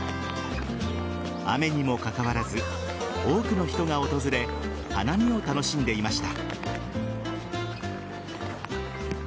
雨にもかかわらず多くの人が訪れ花見を楽しんでいました。